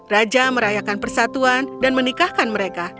raja merayakan persatuan dan menikahkan mereka